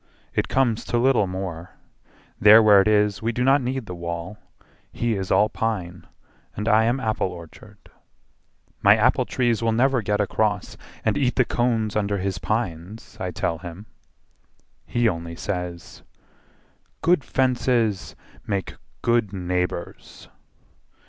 It comes to little more: There where it is we do not need the wall: He is all pine and I am apple orchard. My apple trees will never get across And eat the cones under his pines, I tell him. He only says, "Good fences make good neighbours."